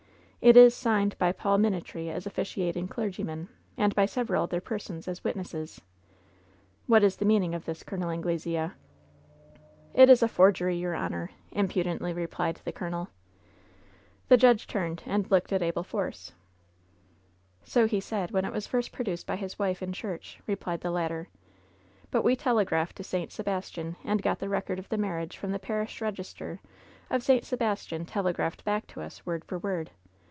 It is signed by Paul Minitree as officiating clergyman, and by several other persons as witnesses* What is the meaning of this, Col. Anglesea V^ 'TEt is a forgery, your honor 1'* impudently replied the coloneL The judge turned and looked at Abel Force, "So he said when it was first produced by his wife in church,*' replied the latter; *T)ut we telegraphed to St Sebastian and got the record of the marriage from the parish register of St. Sebastian telegraphed back to us, word for word.